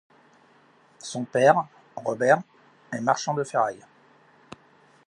Son père, Robert, est marchand de ferraille.